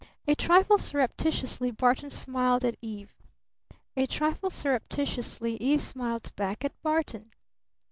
A trifle surreptitiously Barton smiled at Eve. A trifle surreptitiously Eve smiled back at Barton.